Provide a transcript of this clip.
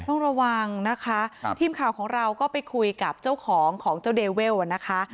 ต้องระวังนะคะทีมข่าวของเราก็ไปคุยกับเจ้าของของเจ้าเดเวลนะคะ